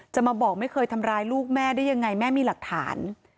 จะมาบอกไม่เคยทำร้ายลูกแม่ได้ยังไงแม่มีหลักฐาน